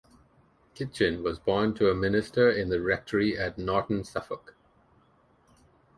Kitchin was born to a minister in the Rectory at Naughton, Suffolk.